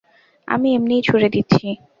আমি এমনিই ছুড়ে দিচ্ছি।